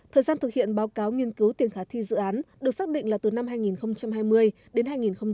thời gian thực hiện báo cáo nghiên cứu tiền khả thi dự án được xác định là từ năm hai nghìn hai mươi đến hai nghìn hai mươi